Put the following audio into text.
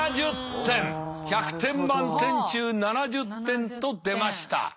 １００点満点中７０点と出ました。